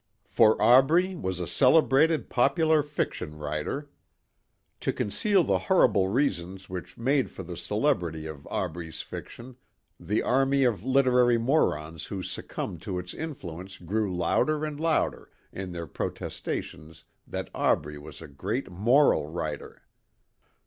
For Aubrey was a celebrated popular fiction writer. To conceal the horrible reasons which made for the celebrity of Aubrey's fiction, the army of literary morons who succumbed to its influence grew louder and louder in their protestations that Aubrey was a great moral writer.